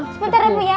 sebentar ya pu ya